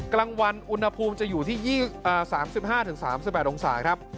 กลางวันอุณหภูมิจะอยู่ที่๓๕๓๘องศาครับ